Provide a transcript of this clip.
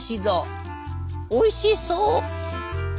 おいしそう！